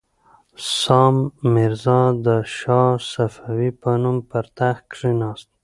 سام میرزا د شاه صفي په نوم پر تخت کښېناست.